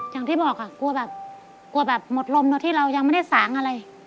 อย่างที่บอกค่ะกลัวแบบกลัวแบบหมดลมโดยที่เรายังไม่ได้สางอะไร